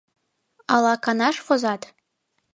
Ала канаш возат?